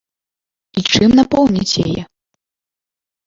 І чым напоўніць яе?